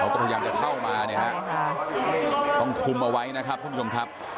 ก็พยายามจะเข้ามาเนี่ยฮะต้องคุมเอาไว้นะครับทุกผู้ชมครับ